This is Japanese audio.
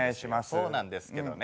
そうなんですけどね